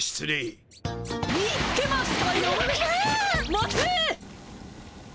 待て！